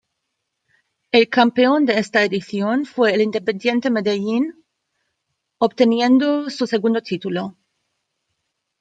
El campeón de esta edición fue el Independiente Medellín obteniendo su segundo título.